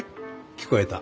聞こえた。